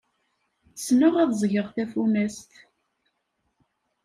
Ssneɣ ad ẓẓgeɣ tafunast.